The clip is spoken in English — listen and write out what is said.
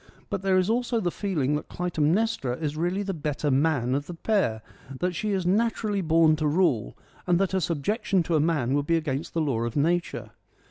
But there is also the feeling that Clytemnestra is really the better man of the pair : that she is natu r ally born to rule, and that her sub jectionj to a man would be against the law of nature.